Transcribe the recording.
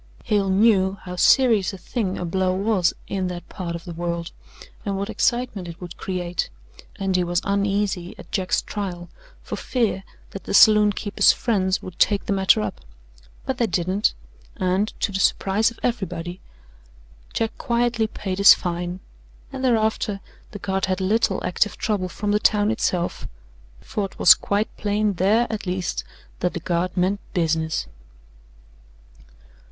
Hale knew how serious a thing a blow was in that part of the world, and what excitement it would create, and he was uneasy at Jack's trial, for fear that the saloon keeper's friends would take the matter up; but they didn't, and, to the surprise of everybody, Jack quietly paid his fine, and thereafter the Guard had little active trouble from the town itself, for it was quite plain there, at least, that the Guard meant business.